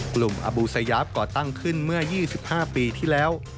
กลุ่มอบูซายาฟก็ตั้งขึ้นเมื่อ๒๕ปีที่แล้ว